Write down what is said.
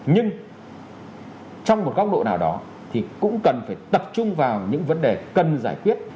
nhưng trong một góc độ nào đó thì cũng cần phải tập trung vào những vấn đề cần giải quyết